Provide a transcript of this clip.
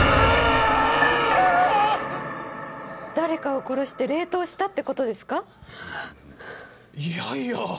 誰かを殺して冷凍したってことですか？